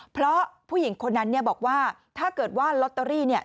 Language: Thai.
เพราะผู้หญิงคนนั้นเนี่ยบอกว่าถ้าเกิดว่าลอตเตอรี่เนี่ย